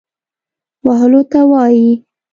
وهلو ته وايي.